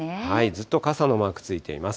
ずっと傘のマークついています。